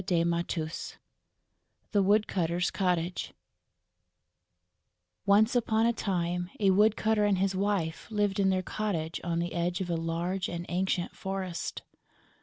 174 CHAPTER I THE WOODCUTTER'S COTTAGE Once upon a time, a woodcutter and his wife lived in their cottage on the edge of a large and ancient forest.